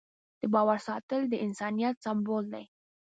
د باور ساتل د انسانیت سمبول دی.